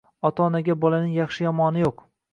Ota-onaga bolaning yaxshi-yomoni yo’q.